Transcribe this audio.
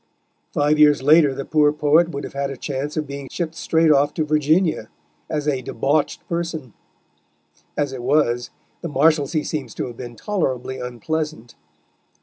Five years later the poor poet would have had a chance of being shipped straight off to Virginia, as a "debauched person"; as it was, the Marshalsea seems to have been tolerably unpleasant.